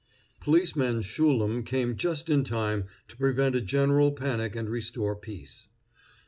Policeman Schulem came just in time to prevent a general panic and restore peace.